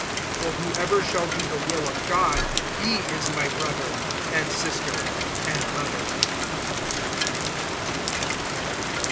(35)For whoever shall do the will of God, he is my brother, and sister, and mother.